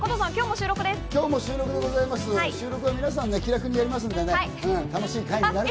収録は皆さん気楽にやりますんで楽しい回になると思います。